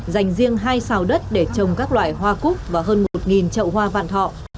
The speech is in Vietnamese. dành riêng hai xào đất để trồng các loại hoa cúc và hơn một trậu hoa vạn thọ